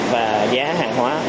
và giá hàng hóa